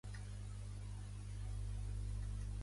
Pertany al moviment independentista la Gertrudis?